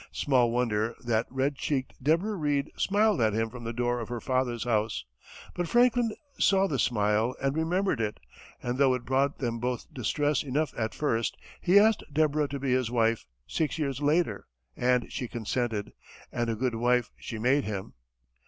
Small wonder that red cheeked Deborah Reed smiled at him from the door of her father's house but Franklin saw the smile and remembered it, and though it brought them both distress enough at first, he asked Deborah to be his wife, six years later, and she consented, and a good wife she made him.